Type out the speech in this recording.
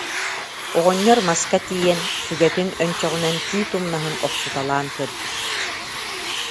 Оҕонньор маска тиийэн, сүгэтин өнчөҕүнэн тиит умнаһын охсуталаан көрбүт